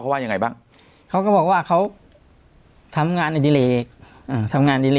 เขาว่ายังไงบ้างเขาก็บอกว่าเขาทำงานอืมทำงาน